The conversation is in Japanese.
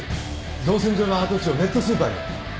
造船所の跡地をネットスーパーに。